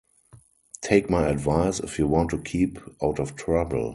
Take my advice if you want to keep out of trouble.